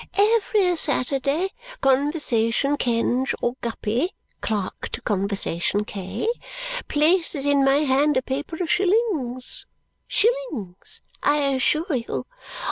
Every Saturday, Conversation Kenge or Guppy (clerk to Conversation K.) places in my hand a paper of shillings. Shillings. I assure you!